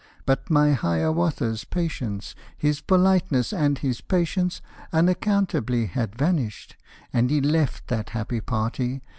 But my Hiawatha's patience, His politeness and his patience, Unaccountably had vanished, And he left that happy party.